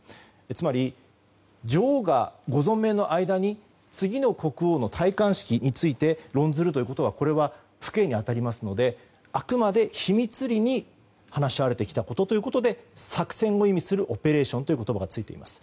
つまり、女王がご存命の間に次の国王の戴冠式について論ずるということはこれは不敬に当たりますのであくまで、秘密裡に話し合われてきたということで作戦を意味するオペレーションという言葉がついています。